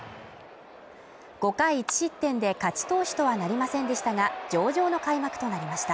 ５回１失点で勝ち投手とはなりませんでしたが、上々の開幕となりました。